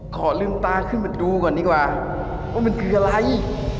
ขอลืมตาขึ้นมาดูก่อนดีกว่าว่ามันคืออะไร